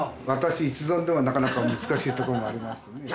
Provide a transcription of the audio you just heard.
私の一存ではなかなか難しいところもありますね。